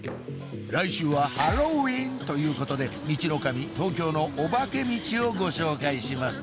来週はハロウィーンということでミチノカミ東京のおばけミチをご紹介します